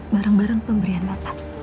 barang barang pemberian bapak